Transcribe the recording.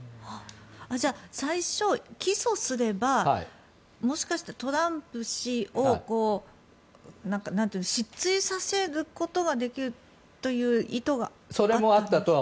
最初起訴すればもしかしたらトランプ氏を失墜させることができるという意図があったんですか？